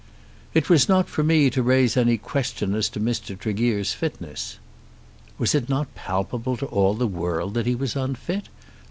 "It was not for me to raise any question as to Mr. Tregear's fitness." Was it not palpable to all the world that he was unfit?